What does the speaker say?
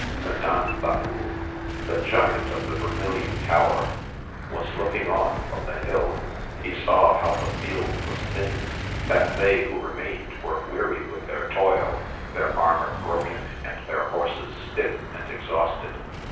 Madanfabul, the giant of the Vermillion Tower, was looking on from the hill ; he saw how the field was thinned, that they who remained were weary with their toil, their armour broken, and their horses stiff and exhausted.